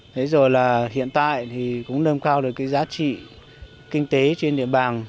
thế rồi là hiện tại thì cũng nâng cao được cái giá trị kinh tế trên địa bàn